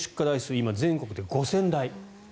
今、全国で５０００台。